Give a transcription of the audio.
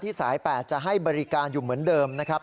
สาย๘จะให้บริการอยู่เหมือนเดิมนะครับ